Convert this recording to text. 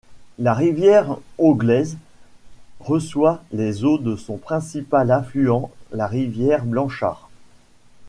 La rivière Auglaize reçoit les eaux de son principal affluent la rivière Blanchard.